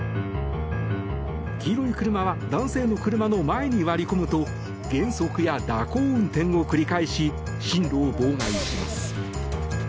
黄色い車は男性の車の前に割り込むと減速や蛇行運転を繰り返し進路を妨害します。